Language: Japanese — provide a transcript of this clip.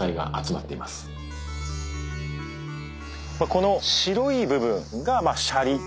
この白い部分が舎利。